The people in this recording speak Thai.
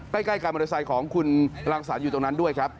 ใกล้การบริษัทของคุณรังสรรอยู่ตรงนั้นด้วยครับ